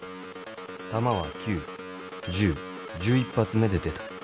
弾は９・１０・１１発目で出た。